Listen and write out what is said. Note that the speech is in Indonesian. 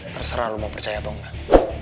terserah lu mau percaya atau enggak